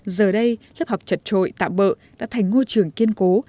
giờ đây lớp học chật trội tạm bỡ đã thành ngôi trường kiên cố